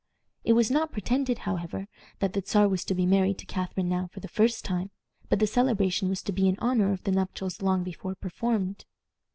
It was not pretended, however, that the Czar was to be married to Catharine now for the first time, but the celebration was to be in honor of the nuptials long before performed.